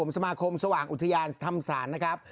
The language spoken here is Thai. สมาคมสว่างอุทยานธรรมศาลนะครับ